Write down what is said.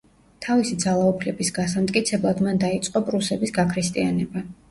თავისი ძალაუფლების გასამტკიცებლად მან დაიწყო პრუსების გაქრისტიანება.